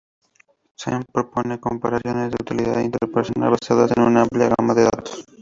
Sen propone comparaciones de utilidad interpersonal basadas en una amplia gama de datos.